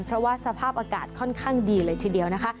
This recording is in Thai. เพราะว่าสภาพอากาศค่อนข้างดีเลยทีเดียวนะคะ